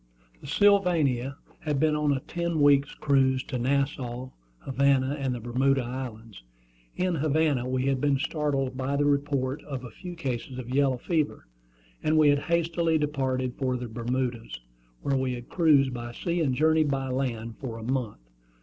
The Sylvania had been on a ten weeks' cruise to Nassau, Havana, and the Bermuda Islands. In Havana we had been startled by the report of a few cases of yellow fever, and we had hastily departed for the Bermudas, where we had cruised by sea and journeyed by land for a month.